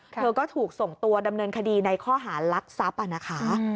เธอก็ถูกส่งตัวดำเนินคดีในข้อหารักทรัพย์นะคะ